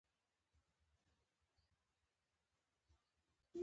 دوی غواړي دوستي او مهرباني په پیسو واخلي.